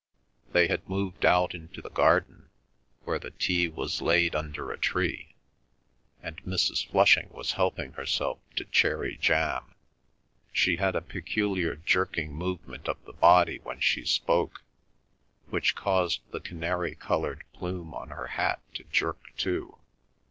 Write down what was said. They had moved out into the garden, where the tea was laid under a tree, and Mrs. Flushing was helping herself to cherry jam. She had a peculiar jerking movement of the body when she spoke, which caused the canary coloured plume on her hat to jerk too.